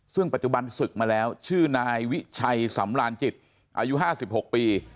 ซึ่งปัจจุบันศึกมาแล้วชื่อนายวิชัยสำรานจิตอายุ๕๖ปี